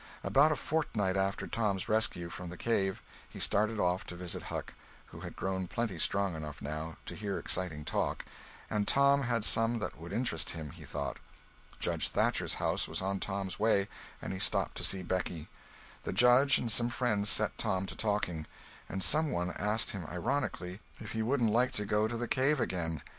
About a fortnight after Tom's rescue from the cave, he started off to visit Huck, who had grown plenty strong enough, now, to hear exciting talk, and Tom had some that would interest him, he thought. Judge Thatcher's house was on Tom's way, and he stopped to see Becky. The Judge and some friends set Tom to talking, and some one asked him ironically if he wouldn't like to go to the cave again.